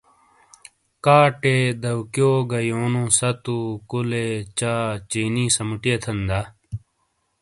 کاٹے ، دیکیو گہ گا یونو ستو، کُولے ، چہ ، چینی سَمُو ٹِئیے تھَن دا؟۔